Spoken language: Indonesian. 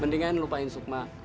mendingan lupain sukma